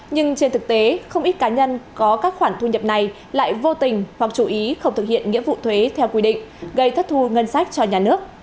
nhưng trên thực tế không ít cá nhân có các khoản thu nhập này lại vô tình hoặc chú ý không thực hiện nghĩa vụ thuế theo quy định gây thất thu ngân sách cho nhà nước